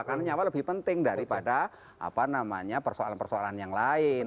karena nyawa lebih penting daripada apa namanya persoalan persoalan yang lain